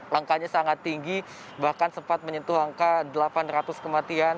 angkanya sangat tinggi bahkan sempat menyentuh angka delapan ratus kematian